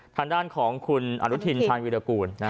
ทางด้านของคุณอนุทินชาญวิรากูล